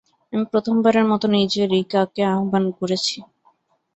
আমি প্রথমবারের মতো নিজে রিকাকে আহ্বান করেছি।